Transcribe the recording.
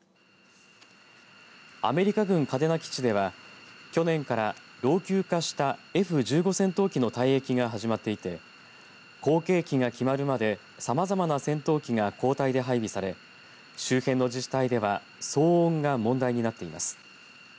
アメリカ軍嘉手納基地では去年から老朽化したＦ１５戦闘機の退役が始まっていて後継機が決まるまでさまざまな戦闘機が交代で配備され周辺の自治体では騒音が問題になっています。